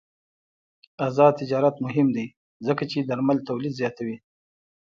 آزاد تجارت مهم دی ځکه چې درمل تولید زیاتوي.